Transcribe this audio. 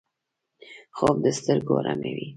خوب د سترګو آراموي